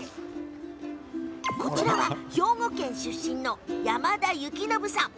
こちらは兵庫県出身の山田行信さん。